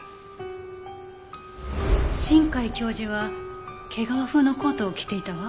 新海教授は毛皮風のコートを着ていたわ。